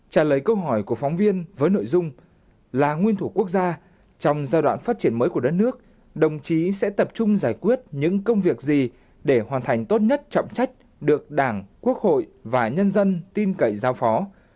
trả lời câu hỏi của phóng viên với nội dung là nguyên thủ quốc gia trong giai đoạn phát triển mới của đất nước đồng chí sẽ tập trung giải quyết những công việc gì để hoàn thành tốt nhất trọng trách được đảng quốc hội và nhân dân tin cậy giao phó